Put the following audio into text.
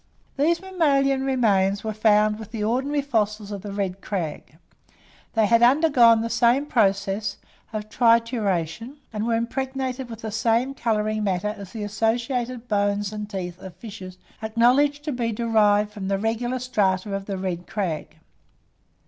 These mammalian remains were found with the ordinary fossils of the red crag: they had undergone the same process of trituration, and were impregnated with the same colouring matter as the associated bones and teeth of fishes acknowledged to be derived from the regular strata of the red crag.